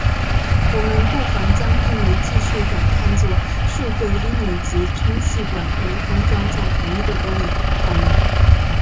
我们不妨将一枚计数管看作数个冷阴极充气管被封装在同一个玻璃泡内。